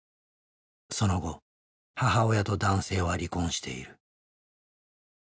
その後母親と男性は離婚している。